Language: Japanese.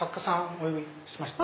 お呼びしました。